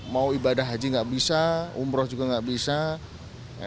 mau ibadah haji gak bisa umroh juga gak bisa